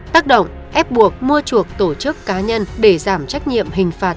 tác động ép buộc mua chuộc tổ chức cá nhân để giảm trách nhiệm hình phạt